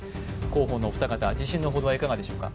広報のお二方、自信のほどはいかがでしょうか。